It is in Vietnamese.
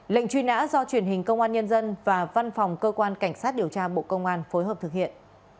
lệnh truy nã do truyền hình công an nhân dân và văn phòng cơ quan cảnh sát điều tra bộ công an phối hợp thực hiện